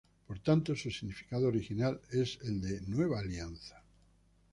Por tanto, su significado original es el de "Nueva Alianza".